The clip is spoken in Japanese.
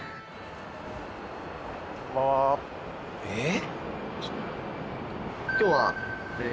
えっ？